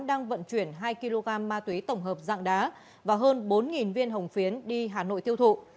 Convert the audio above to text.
đang vận chuyển hai kg ma túy tổng hợp dạng đá và hơn bốn viên hồng phiến đi hà nội tiêu thụ